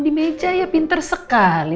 di meja ya pinter sekali